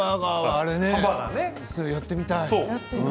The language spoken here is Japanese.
あれをやってみたい。